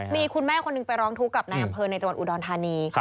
มีคุณแม่คนหนึ่งไปร้องทุกข์กับนายอำเภอในจังหวัดอุดรธานี